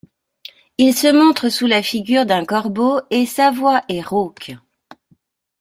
Il se montre sous la figure d'un corbeau et sa voix est rauque.